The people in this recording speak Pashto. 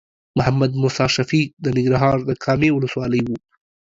محمد موسی شفیق د ننګرهار د کامې ولسوالۍ و.